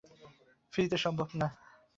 ফ্রিতে সম্ভব না।